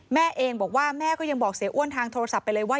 แม่เองบอกว่าแม่ก็ยังบอกเสียอ้วนทางโทรศัพท์ไปเลยว่า